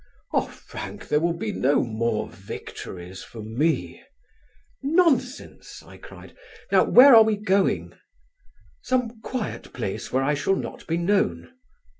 "Ah, Frank, there will be no more victories for me." "Nonsense," I cried; "now where are we going?" "Some quiet place where I shall not be known."